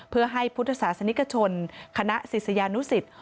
เพื่อให้พุทธศาสนิกชนคณะศิษยานุสิต